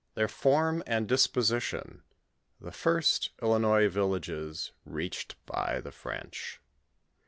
THEIR FORM ASD DI8P0aiTI01f. TBE FIRST ILlNOia VILLAQEt REACHED BY THE FREKCB.